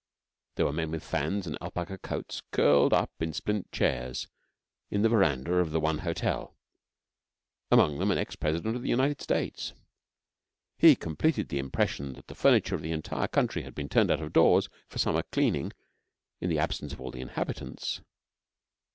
There were men with fans and alpaca coats curled up in splint chairs in the verandah of the one hotel among them an ex President of the United States. He completed the impression that the furniture of the entire country had been turned out of doors for summer cleaning in the absence of all the inhabitants.